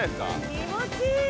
気持ちいいよ！